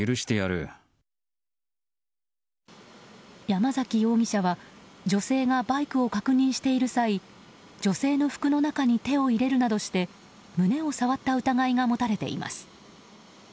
山崎容疑者は女性がバイクを確認している際女性の服の中に手を入れるなどして胸を触った疑いが持たれています。